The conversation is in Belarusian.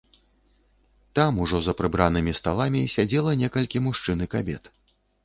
Там ужо за прыбранымі сталамі сядзела некалькі мужчын і кабет.